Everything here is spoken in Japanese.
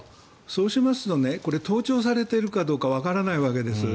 そうしますと盗聴されているかどうかわからないわけです。